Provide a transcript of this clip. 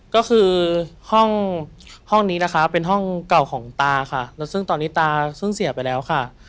ก็คือห้องห้องนี้นะคะเป็นห้องเก่าของตาค่ะแล้วซึ่งตอนนี้ตาซึ่งเสียไปแล้วค่ะ